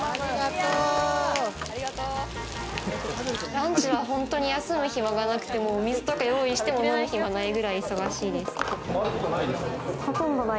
ランチは本当に休む暇がなくて水とか用意しても飲む暇ないくらい忙しいです。